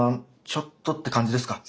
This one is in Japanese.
ちょっとって感じですか？